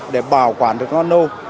để bảo quản được nó nâu